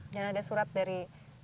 dan ada surat dari